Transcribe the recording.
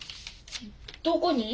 どこに？